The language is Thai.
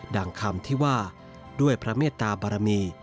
คำที่ว่าด้วยพระเมตตาบารมี